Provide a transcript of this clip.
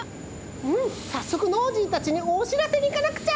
うんさっそくノージーたちにおしらせにいかなくちゃ！